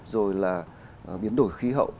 rồi là biến đổi khí hậu